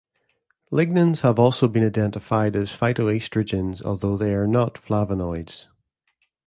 Lignans have also been identified as phytoestrogens, although they are not flavonoids.